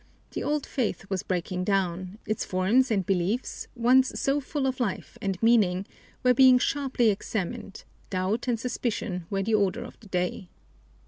The old faith was breaking down, its forms and beliefs, once so full of life and meaning, were being sharply examined, doubt and suspicion were the order of the day.